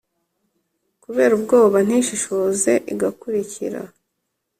kubera ubwoba ntishishoze igakurikira.